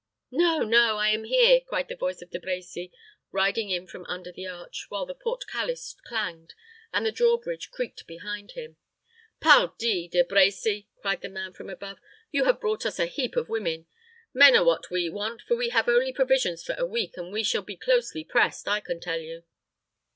"No, no; I am here!" cried the voice of De Brecy, riding in from under the arch, while the portcullis clanged, and the draw bridge creaked behind him. "Pardi! De Brecy," cried the man from above, "you have brought us a heap of women. Men are what we want, for we have only provisions for a week, and we shall be closely pressed, I can tell you."